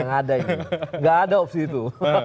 nggak ada opsi itu